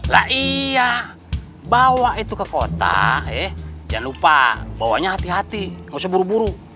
lah iya bawa itu ke kota eh jangan lupa bawanya hati hati gak usah buru buru